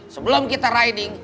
sebelum kita riding